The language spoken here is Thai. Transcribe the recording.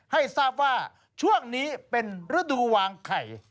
ให้ทราบว่าช่วงนี้เป็นฤดูวางไข่